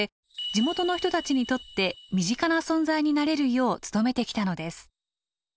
地元の人たちにとって身近な存在になれるよう努めてきたのです。